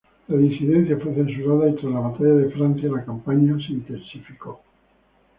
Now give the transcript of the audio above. La disidencia fue censurada, y tras la Batalla de Francia, la campaña se intensificó.